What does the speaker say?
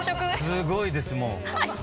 すごいですもう。